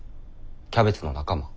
キャベツの仲間。